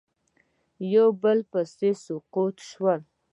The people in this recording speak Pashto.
یو په بل پسې سقوط شول